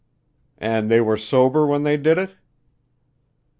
"And they were sober when they did it?"